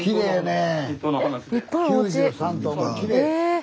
え！